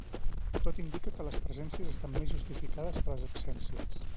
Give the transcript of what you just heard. Tot indica que les presències estan més justificades que les absències.